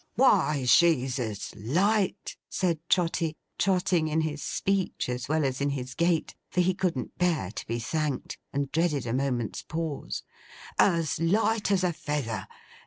'Why, she's as light,' said Trotty, trotting in his speech as well as in his gait; for he couldn't bear to be thanked, and dreaded a moment's pause; 'as light as a feather.